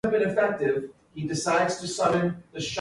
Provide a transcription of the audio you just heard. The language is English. Othman is a former board member of the Illinois Finance Authority.